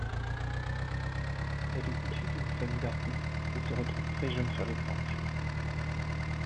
Elle est issue d'une famille d'artistes, et se retrouve très jeune sur les planches.